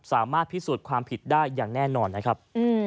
สามารถพิสูจน์ความผิดได้อย่างแน่นอนนะครับ